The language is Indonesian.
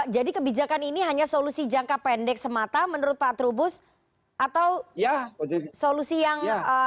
jadi kebijakan ini hanya solusi jangka pendek semata menurut pak trubus atau ya solusi yang